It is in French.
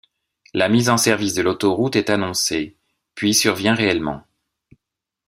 La mise en service de l'autoroute est annoncée, puis survient réellement.